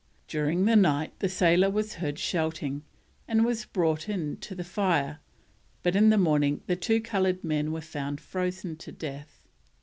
During the night the sailor was heard shouting, and was brought in to the fire, but in the morning the two coloured men were found frozen to death.